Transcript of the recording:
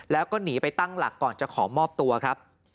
แล้วก็หนีไปตั้งหลักก่อนจะขอมอบตัวครับ